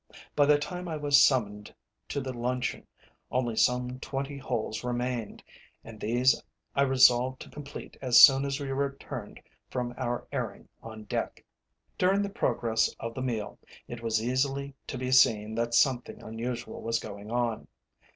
By the time I was summoned to the luncheon only some twenty holes remained, and these I resolved to complete as soon as we returned from our airing on deck. During the progress of the meal, it was easily to be seen that something unusual was going on.